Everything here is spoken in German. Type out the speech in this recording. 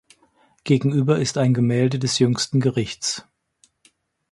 Gegenüber ist ein Gemälde des Jüngsten Gerichts.